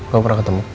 gue pernah ketemu